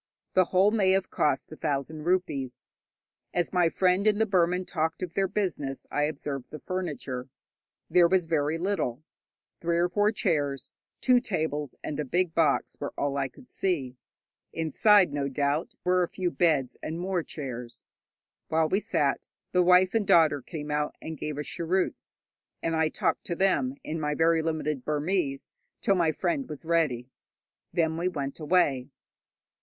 The whole may have cost a thousand rupees. As my friend and the Burman talked of their business I observed the furniture. There was very little; three or four chairs, two tables and a big box were all I could see. Inside, no doubt, were a few beds and more chairs. While we sat, the wife and daughter came out and gave us cheroots, and I talked to them in my very limited Burmese till my friend was ready. Then we went away.